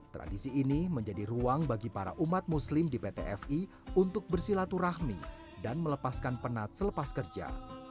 tradisi ini menjadi ruang bagi para umat muslim di pt fi untuk bersilaturahmi dan melepaskan penat selepas kerja